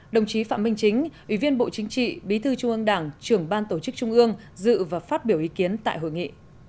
đồng chí phạm minh chính ủy viên bộ chính trị bí thư trung ương đảng trưởng ban tổ chức trung ương dự và phát biểu ý kiến tại hội nghị